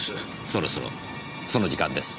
そろそろその時間です。